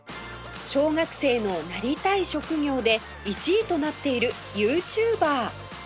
小学生のなりたい職業で１位となっているユーチューバー